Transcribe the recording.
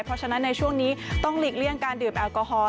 เพราะฉะนั้นในช่วงนี้ต้องหลีกเลี่ยงการดื่มแอลกอฮอล